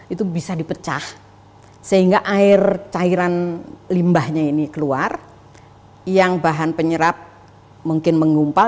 itu bisa dipecah sehingga air cairan limbahnya ini keluar yang bahan penyerap mungkin menggumpal